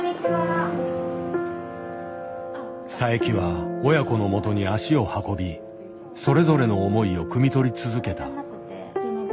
佐伯は親子のもとに足を運びそれぞれの思いをくみ取り続けた。